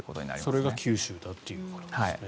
それが九州だということなんですね。